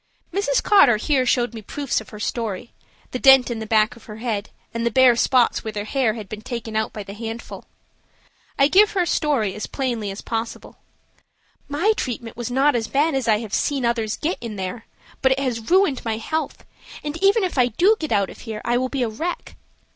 Mrs. Cotter here showed me proofs of her story, the dent in the back of her head and the bare spots where the hair had been taken out by the handful. I give her story as plainly as possible: "My treatment was not as bad as I have seen others get in there, but it has ruined my health, and even if I do get out of here I will be a wreck.